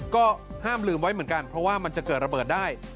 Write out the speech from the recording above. อย่าให้ลืมไว้เพราะจะเกิดระเบิดได้